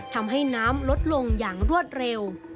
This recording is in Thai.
ทำให้น้ำลดลงอย่างรวดเร็ว